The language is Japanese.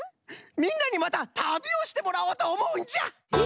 みんなにまた旅をしてもらおうとおもうんじゃ！え！？